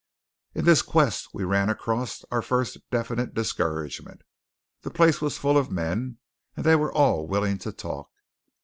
In this quest we ran across our first definite discouragement. The place was full of men and they were all willing to talk.